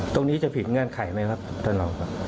ตรงนี้จะผิดเงื่อนไขไหมครับท่านรองกร